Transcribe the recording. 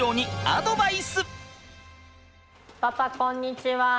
パパこんにちは！